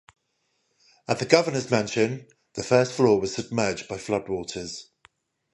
At the Governor's Mansion, the first floor was submerged by flood waters.